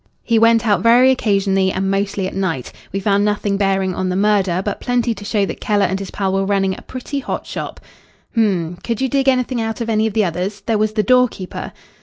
He went out very occasionally, and mostly at night. We found nothing bearing on the murder, but plenty to show that Keller and his pal were running a pretty hot shop." "H'm! could you dig anything out of any of the others? There was the door keeper."